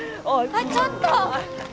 あっちょっと！